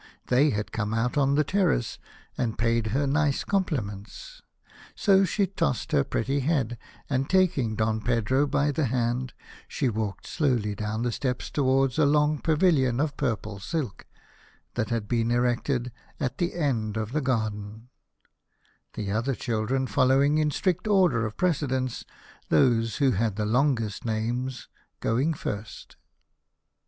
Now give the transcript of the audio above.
They had come out on the terrace, and paid her nice compli ments. So she tossed her pretty head, and taking Don Pedro by the hand, she walked slowly down the steps towards a long pavilion of purple silk that had been erected at the end of the garden, the other children following in strict order of precedence, those who had the longest names going first.